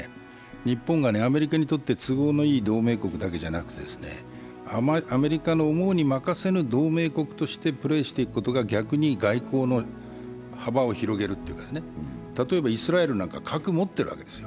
日本がアメリカにとって都合のいい同盟国ではなくてアメリカの思うに任せぬ同盟国としてプレーしていくことが逆に外交の幅を広げるというか、例えばイスラエルなんか核を持ってるわけですよ。